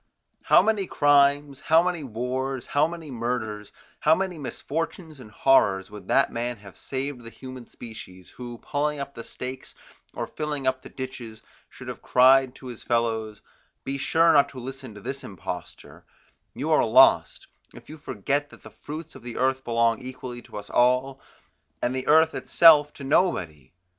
How many crimes, how many wars, how many murders, how many misfortunes and horrors, would that man have saved the human species, who pulling up the stakes or filling up the ditches should have cried to his fellows: Be sure not to listen to this imposter; you are lost, if you forget that the fruits of the earth belong equally to us all, and the earth itself to nobody!